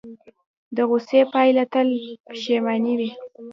د غوسې پایله تل پښیماني وي.